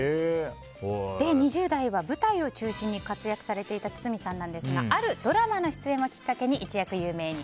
２０代は舞台を中心に活躍されていた堤さんですがあるドラマの出演をきっかけに一躍有名に。